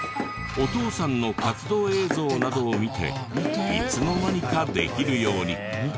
お父さんの活動映像などを見ていつの間にかできるように。